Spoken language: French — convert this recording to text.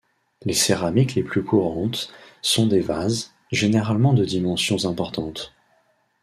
Les céramiques les plus courantes sont des vases, généralement de dimensions importantes.